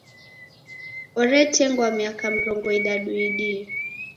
Oretengwa miaka mrongo idadu iidie.